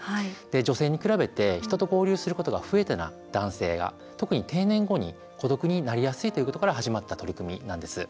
女性に比べて人と交流することが不得手な男性が、特に定年後に孤独になりやすいということから始まった取り組みなんです。